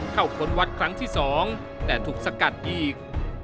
ค้นวัดครั้งที่๒แต่ถูกสกัดอีก